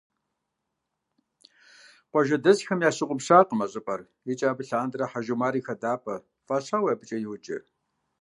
Къуажэдэсхэм ящыгъупщакъым а щӏыпӏэр икӏи абы лъандэрэ «Хьэжумар и хадапӏэ» фӏащауэ абыкӏэ йоджэ.